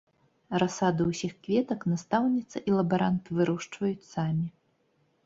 Расаду ўсіх кветак настаўніца і лабарант вырошчваюць самі.